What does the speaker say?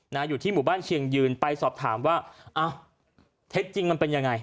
อยู่ที่หมู่บ้านเชียงยืนไปสอบถามว่าอ้าวเท็จจริงมันเป็นยังไง